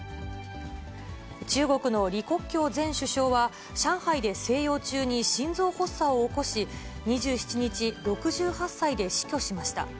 中国の李克強前首相は、上海で静養中に心臓発作を起こし、２７日、６８歳で死去しました。